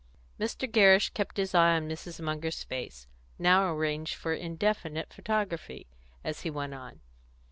Mr. Gerrish kept his eye on Mrs. Munger's face, now arranged for indefinite photography, as he went on.